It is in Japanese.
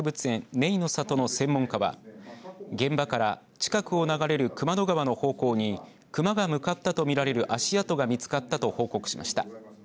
ねいの里の専門家は現場から近くを流れる熊野川の方向に熊が向かったと見られる足跡が見つかったと報告しました。